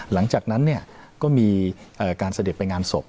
หลังจากนั้นก็มีการเสด็จไปงานศพ